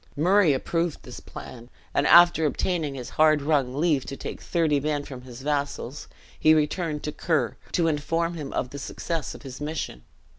Murray approved this plan; and after obtaining his hard wrung leave to take thirty men from his vassals, he returned to Ker, to inform him of the success of his mission.